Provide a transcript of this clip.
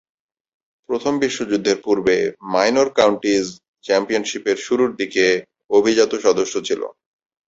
প্রথম বিশ্বযুদ্ধের পূর্বে মাইনর কাউন্টিজ চ্যাম্পিয়নশীপের শুরুরদিকে অভিজাত সদস্য ছিল।